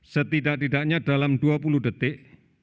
setidak tidaknya dalam dua puluh detik